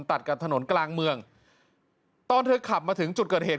ตัดกับถนนกลางเมืองตอนเธอขับมาถึงจุดเกิดเหตุ